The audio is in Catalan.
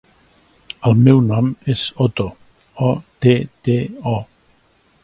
El meu nom és Otto: o, te, te, o.